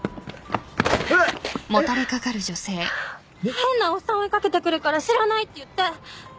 変なおっさん追い掛けてくるから「知らない」って言って！